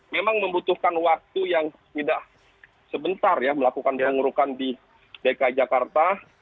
memang membutuhkan waktu yang tidak sebentar ya melakukan pengurukan di dki jakarta